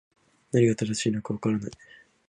何が正しいのか分からない